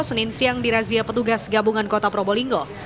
senin siang di razia petugas gabungan kota probolinggo